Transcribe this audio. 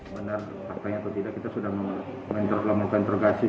benar taktanya atau tidak kita sudah menerok lamurkan tergasi